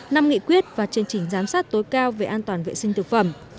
năm nghị quyết và chương trình giám sát tối cao về an toàn vệ sinh thực phẩm